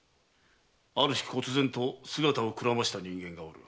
ある日忽然と姿をくらませた人間がおる。